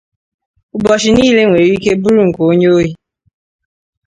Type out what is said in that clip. Ụbọchị niile nwere ike bụrụ nke onye ohi